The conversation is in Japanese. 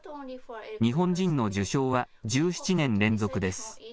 日本人の受賞は１７年連続です。